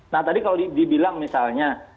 nah tadi kalau dibilang misalnya